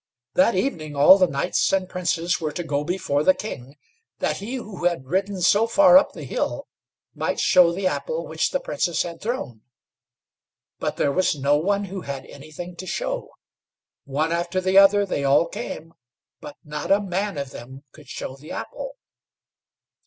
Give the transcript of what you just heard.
That evening all the knights and princes were to go before the king, that he who had ridden so far up the hill might show the apple which the Princess had thrown, but there was no one who had anything to show. One after the other they all came, but not a man of them could show the apple.